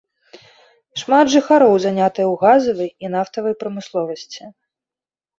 Шмат жыхароў занятыя ў газавай і нафтавай прамысловасці.